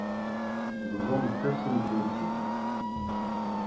Bḍumt-asen-ten-id.